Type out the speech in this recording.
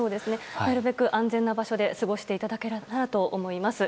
なるべく安全な場所で過ごしていただければと思います。